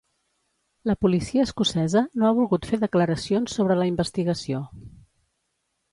La policia escocesa no ha volgut fer declaracions sobre la investigació.